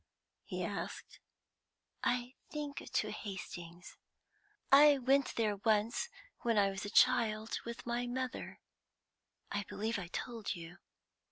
he asked. "I think to Hastings. I went there once, when I was a child, with my mother I believe I told you.